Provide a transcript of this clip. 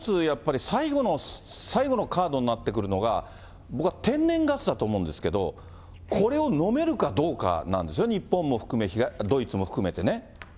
やっぱり最後の最後のカードになってくるのが、僕は天然ガスだと思うんですけど、これをのめるかどうかなんですね、そうです。